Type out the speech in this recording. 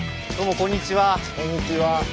こんにちは。